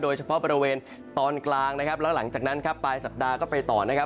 โดยเฉพาะบริเวณตอนกลางนะครับแล้วหลังจากนั้นครับปลายสัปดาห์ก็ไปต่อนะครับ